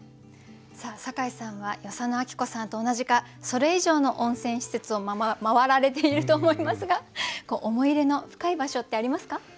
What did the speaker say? さあ酒井さんは与謝野晶子さんと同じかそれ以上の温泉施設を回られていると思いますが思い入れの深い場所ってありますか？